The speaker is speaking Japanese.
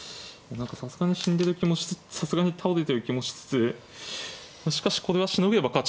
何かさすがに死んでる気もさすがに倒れてる気もしつつしかしこれはしのげれば勝ちだぞという。